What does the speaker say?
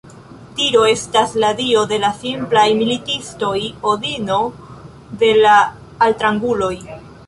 Tiro estas la dio de la simplaj militistoj, Odino de la altranguloj.